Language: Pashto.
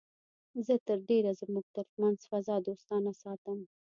زه تر ډېره زموږ تر منځ فضا دوستانه ساتم